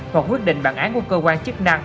hoặc quyết định bản án của cơ quan chức năng